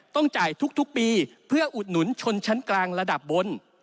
ต้องจ่ายทุกปีเพื่ออุดหนุนชนชั้นกลางระดับบน